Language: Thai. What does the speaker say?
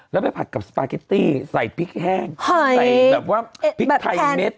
แล้วไปผัดกับสปาเกตตี้ใส่พริกแห้งใส่แบบว่าพริกไทยเม็ด